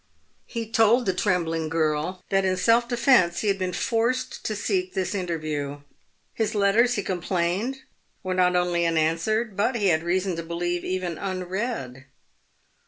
He told the trembling girl that in self defence he had been forced to seek this interview. His letters, he complained, were not only unanswered, but, he had reason to believe, even unread.